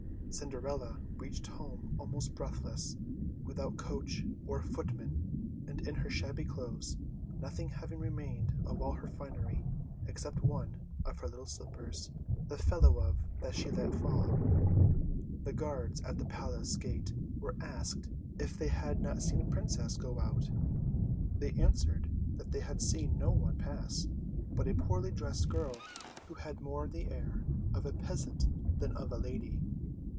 Cinderella reached home almost breathless, without coach or footmen, and in her shabby clothes, nothing having remained of all her finery, except one of her little slippers, the fellow of that she had let fall. The guards at the palace gate were asked if they had not seen a Princess go out; they answered that they had seen no one pass but a poorly dressed girl, who had more the air of a peasant than of a lady.